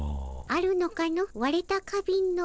あるのかの？